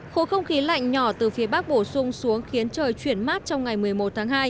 khối không khí lạnh nhỏ từ phía bắc bổ sung xuống khiến trời chuyển mát trong ngày một mươi một tháng hai